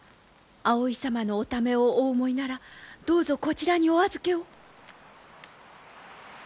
葵様のおためをお思いならどうぞこちらにお預けを。